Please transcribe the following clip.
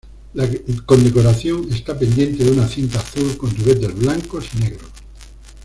La condecoración está pendiente de una cinta azul con ribetes blancos y negros.